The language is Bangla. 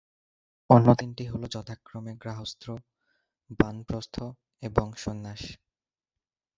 অন্য তিনটি হল যথাক্রমে গার্হস্থ্য, বানপ্রস্থ এবং সন্ন্যাস।